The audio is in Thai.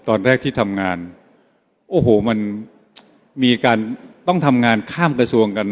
ตอนแรกที่ทำงานโอ้โหมันมีการต้องทำงานข้ามกระทรวงกัน